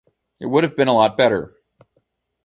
It would've been a lot better.